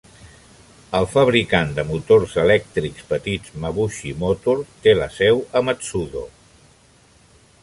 El fabricant de motors elèctrics petits, Mabuchi Motor té la seu a Matsudo.